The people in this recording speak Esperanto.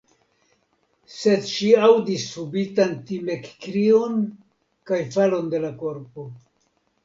Sed ŝi aŭdis subitan timekkrion, kaj falon de ia korpo.